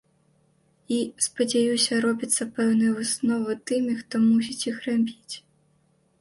І, спадзяюся, робяцца пэўныя высновы тымі, хто мусіць іх рабіць.